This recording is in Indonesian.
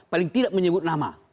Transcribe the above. paling tidak menyebut nama